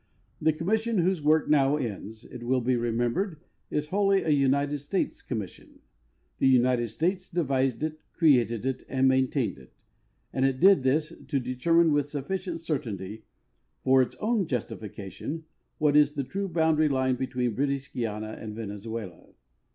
The commission, whose work now ends, it will be remembered, is wholly a United States commission. The United States de vised it, created it, and maintained it; and it did this "to deter mine with sufficient certainty, for its own justification, what is the true boundary' line between British Guiana and Venezuela."